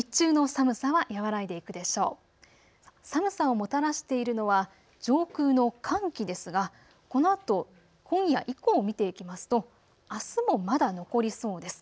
寒さをもたらしているのは上空の寒気ですがこのあと今夜以降を見ていきますとあすもまだ残りそうです。